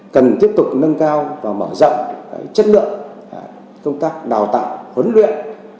cần tiếp tục nâng cao và mở rộng chất lượng công tác đào tạo huấn luyện